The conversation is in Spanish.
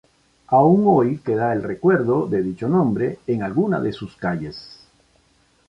Aún hoy queda el recuerdo de dicho nombre en alguna de sus calles.